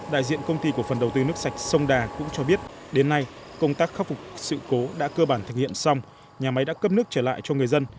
đại diện công ty cổ phần đầu tư nước sạch sông đà cũng cho biết đến nay công tác khắc phục sự cố đã cơ bản thực hiện xong nhà máy đã cấp nước trở lại cho người dân